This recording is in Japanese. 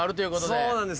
そうなんです